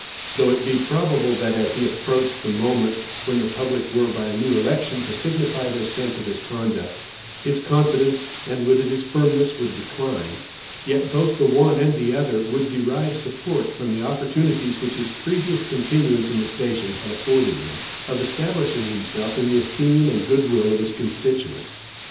Though it be probable that, as he approached the moment when the public were, by a new election, to signify their sense of his conduct, his confidence, and with it his firmness, would decline; yet both the one and the other would derive support from the opportunities which his previous continuance in the station had afforded him, of establishing himself in the esteem and good will of his constituents.